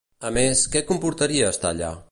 A més, què comportaria estar allà?